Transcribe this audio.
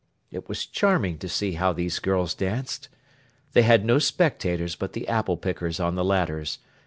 It was charming to see how these girls danced. They had no spectators but the apple pickers on the ladders.